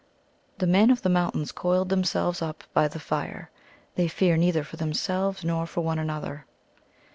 The Men of the Mountains coiled themselves up by the fire. They fear neither for themselves nor for one another.